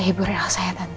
hiburin elsa ya tante